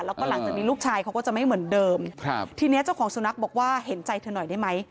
แล้วก็หลังจากนี้ลูกชายเขาก็จะไม่เหมือนเดิมครับทีนี้เจ้าของสุนัขบอกว่าเห็นใจเธอหน่อยได้ไหม